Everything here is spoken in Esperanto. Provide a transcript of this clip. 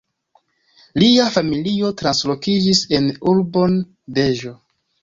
Lia familio translokiĝis en urbon Deĵo.